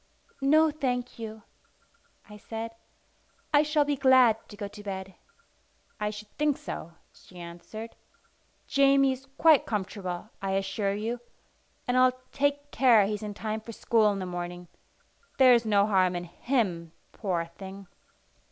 "No, thank you," I said. "I shall be glad to go to bed." "I should think so," she answered. "Jamie is quite comfortable, I assure you; and I'll take care he's in time for school in the morning. There's no harm in him, poor thing!"